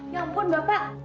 ya ampun bapak